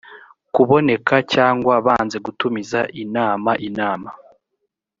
kuboneka cyangwa banze gutumiza inama inama